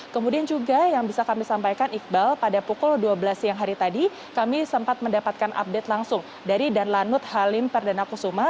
kemudian juga yang bisa kami sampaikan iqbal pada pukul dua belas siang hari tadi kami sempat mendapatkan update langsung dari dan lanut halim perdana kusuma